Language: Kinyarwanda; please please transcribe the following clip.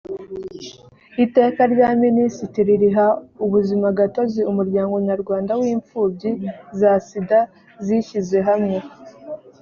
iteka rya minisitiri riha ubuzimagatozi umuryango nyarwanda w imfubyi za sida zishyize hamwe